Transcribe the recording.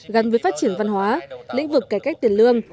gắn với phát triển văn hóa lĩnh vực cải cách tiền lương